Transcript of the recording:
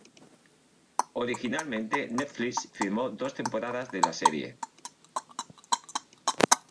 Originalmente Netflix firmó dos temporadas de la serie.